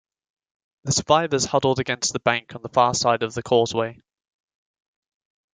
The survivors huddled against the bank on the far side of the causeway.